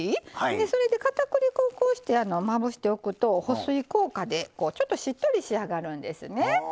それでかたくり粉をこうしてまぶしておくと保水効果でちょっとしっとり仕上がるんですね。